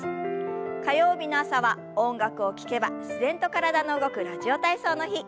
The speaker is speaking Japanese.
火曜日の朝は音楽を聞けば自然と体の動く「ラジオ体操」の日。